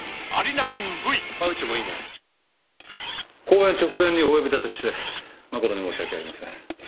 公演直前にお呼び立てして誠に申し訳ありません。